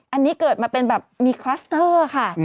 อันนี้เกิดมาเป็นแบบมีคลัสเตอร์ค่ะ